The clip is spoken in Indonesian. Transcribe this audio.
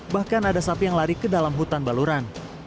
bahkan ada sapi yang lari ke dalam hutan baluran